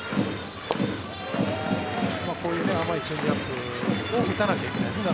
こういう甘いチェンジアップを打たなきゃいけないですね。